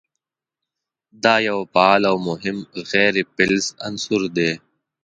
دا یو فعال او مهم غیر فلز عنصر دی.